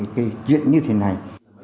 cái chuyện như thế này